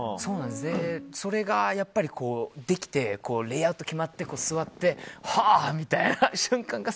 それができてレイアウト決まって座って、はあみたいな瞬間が。